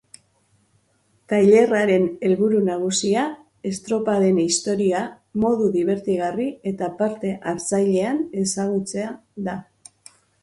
Tailerraren helburu nagusia estropaden historia modu dibertigarri eta parte hartzailean ezagutzea da.